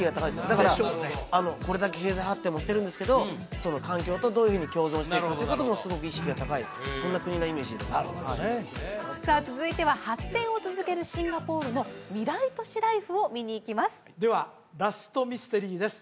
だからこれだけ経済発展もしてるんですけど環境とどういうふうに共存していくかということもすごく意識が高いそんな国のイメージになりますなるほどねさあ続いては発展を続けるシンガポールの未来都市ライフを見に行きますではラストミステリーです